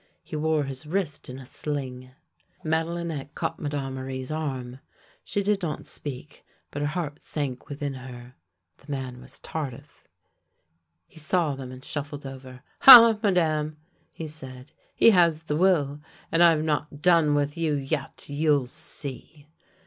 He wore his wrist in a sling. Madelinette caught Madame Marie's arm. She did not speak, but her heart sank within her. The man was Tardif. He saw them and shuffled over. " Ha, Madame! " he said, " he has the will, and I've not done with you yet — you'll see!"